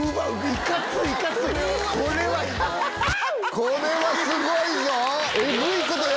これはすごいぞ！